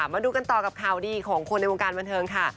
มาดูกันต่อกับข่าวดีของคนในวงการบันเทิงค่ะ